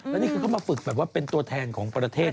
แล้วนี่คือเขามาฝึกแบบว่าเป็นตัวแทนของประเทศ